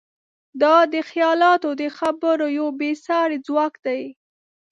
دا د خیالاتو د خبرو یو بېساری ځواک دی.